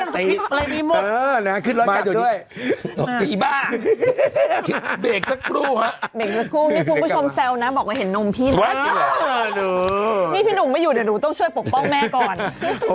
อ๋อดีป่าวนี่คุณผู้ชมแซวนะบอกว่าเห็นนมพี่นะสิวะนี่พี่หนุ่มไม่อยู่เดี๋ยวหนูต้องช่วยปกป้องแม่ก่อน